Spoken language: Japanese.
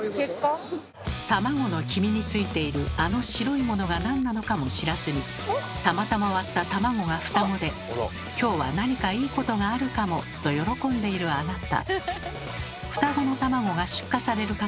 卵の黄身についているあの白いものがなんなのかも知らずにたまたま割った卵がふたごで「今日は何かいいことがあるかも！」と喜んでいるあなた。